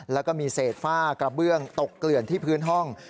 แล้วก็มีเศษฝ้ากระเบื้องตกเกลื่อนที่พื้นห้อง